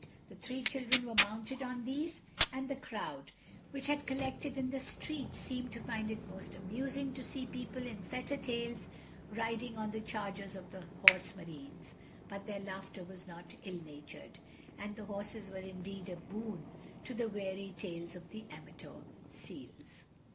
The three children were mounted on these, and the crowd which had collected in the street seemed to find it most amusing to see people in fetter tails riding on the chargers of the Horse Marines. But their laughter was not ill natured. And the horses were indeed a boon to the weary tails of the amateur seals.